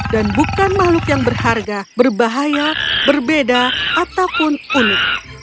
dan bukan makhluk yang berharga berbahaya berbeda ataupun unik